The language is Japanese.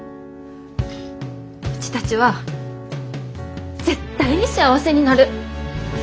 うちたちは絶対に幸せになる！